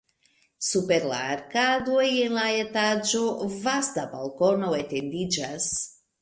Super la arkadoj en la etaĝo vasta balkono etendiĝas.